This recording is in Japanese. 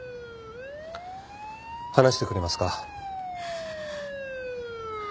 話してくれますか？